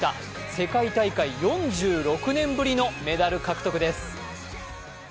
世界大会４６年ぶりのメダル獲得です。